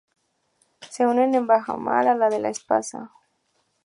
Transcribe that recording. Se une en bajamar a la de La Espasa.